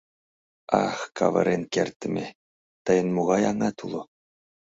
Ах, каварен кертдыме, тыйын могай аҥат уло?